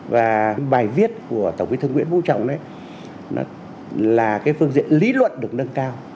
và bài viết của tổng bí thư nguyễn vũ trọng là cái phương diện lý luận được nâng cao